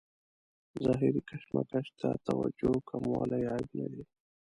ظاهري کشمکش ته توجه کموالی عیب نه دی.